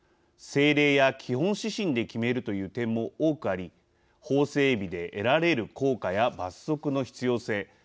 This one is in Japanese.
政令や基本指針で決めるという点も多くあり法整備で得られる効果や罰則の必要性